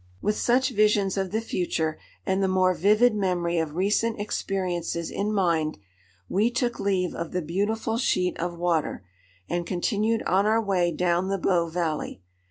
With such visions of the future and the more vivid memory of recent experiences in mind, we took leave of the beautiful sheet of water, and continued on our way down the Bow valley.